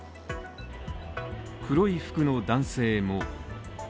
黒い服の男性も。